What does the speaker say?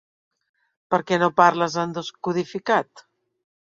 Per què no parles en descodificat?